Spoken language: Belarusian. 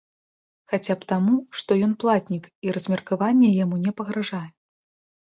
Хаця б таму, што ён платнік і размеркаванне яму не пагражае.